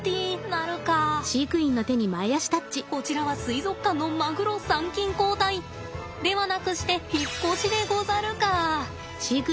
こちらは水族館のマグロ参勤交代ではなくして引っ越しでござるか。